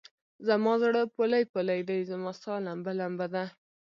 زما زړه پولۍ پولۍدی؛ رما سا لمبه لمبه ده